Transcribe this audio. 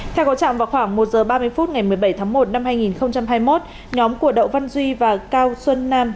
theo có trạng vào khoảng một h ba mươi phút ngày một mươi bảy tháng một năm hai nghìn hai mươi một nhóm của đậu văn duy và cao xuân nam